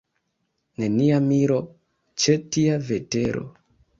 Nenia miro, ĉe tia vetero!